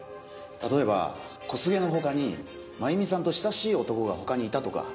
例えば小菅の他に真弓さんと親しい男が他にいたとか。